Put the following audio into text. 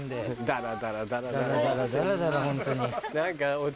ダラダラダラダラホントに。